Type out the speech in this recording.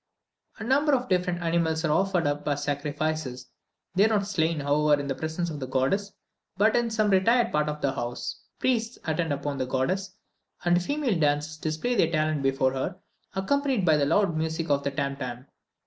A number of different animals are offered up as sacrifices; they are not slain, however, in the presence of the goddess, but in some retired part of the house. Priests attend upon the goddess, and female dancers display their talent before her, accompanied by the loud music of the tam tam.